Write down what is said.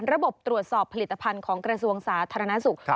ระบบตรวจสอบผลิตภัณฑ์ของกรสวงศ์ศาสตร์ถารณสุข